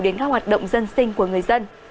đến các hoạt động dân sinh của người dân